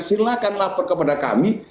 silakan lapor kepada kami